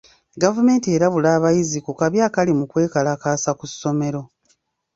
Gavumenti erabula abayizi ku kabi akali mu kwekalakaasa ku ssomero.